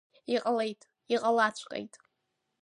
Иҟалеит, иҟалаҵәҟьеит…